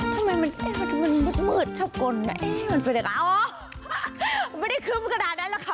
ทำไมมันมืดมืดชอบกลไม่ได้ครึ้มขนาดนั้นแล้วค่ะ